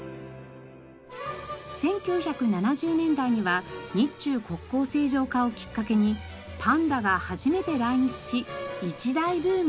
１９７０年代には日中国交正常化をきっかけにパンダが初めて来日し一大ブームに。